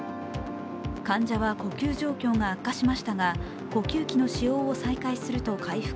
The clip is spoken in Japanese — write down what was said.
患者は呼吸状況が悪化しましたが呼吸器の使用を再開すると回復。